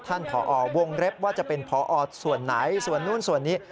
ผอวงเล็บว่าจะเป็นพอส่วนไหนส่วนนู้นส่วนนี้